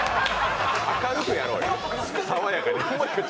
明るくやろうよ、さわやかに。